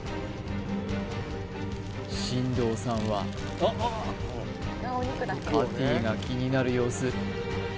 進藤さんはパティが気になる様子